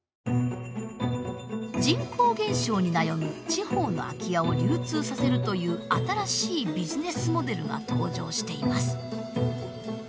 人口減少に悩む地方の空き家を流通させるという新しいビジネスモデルが登場しています。